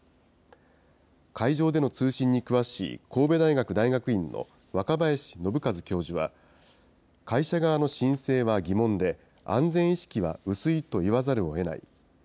海上での通信に詳しい神戸大学大学院の若林伸和教授は、会社側の申請は疑問で、安全意識は薄いと言わざるをえない。